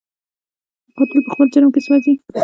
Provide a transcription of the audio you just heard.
قاتل په خپل جرم کې سوځي